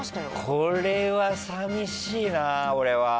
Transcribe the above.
これは寂しいな、俺は。